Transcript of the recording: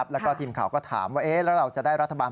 แล้วก็ทีมข่าวก็ถามว่าแล้วเราจะได้รัฐบาล